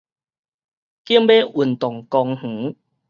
景尾運動公園